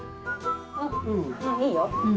うんいいよ。